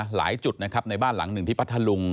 หลายจุดนะครับในบ้านหลังหนึ่งที่พัทธลุง